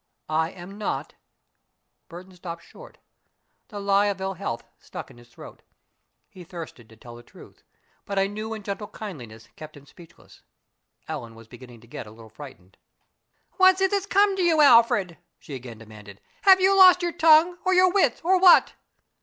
"I am not " Burton stopped short. The lie of ill health stuck in his throat. He thirsted to tell the truth, but a new and gentle kindliness kept him speechless. Ellen was beginning to get a little frightened. "What is it that's come to you, Alfred?" she again demanded. "Have you lost your tongue or your wits or what?"